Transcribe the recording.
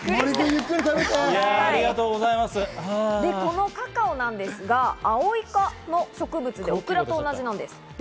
このカカオなんですが、アオイ科の植物でオクラと同じなんです。